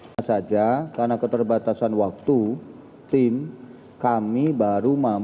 pak saudara akil mutar am